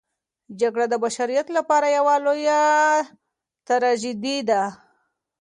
جګړه د بشریت لپاره یوه لویه تراژیدي ده.